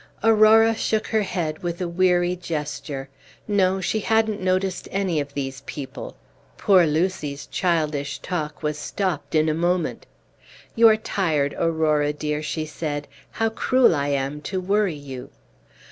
Aurora shook her head with a weary gesture. No, she hadn't noticed any of these people. Poor Lucy's childish talk was stopped in a moment. "You are tired, Aurora dear," she said; "how cruel I am to worry you!"